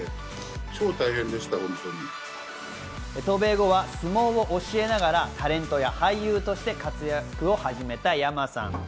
渡米後は相撲を教えながらタレントや俳優として活躍を始めたＹＡＭＡさん。